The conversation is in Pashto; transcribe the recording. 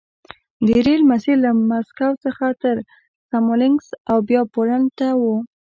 د ریل مسیر له مسکو څخه سمولینکس او بیا پولنډ ته و